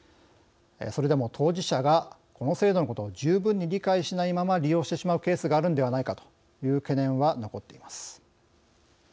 それでも、当事者がこの制度のことを十分に理解しないまま利用してしまうケースがあるのではないかという懸念は残っています。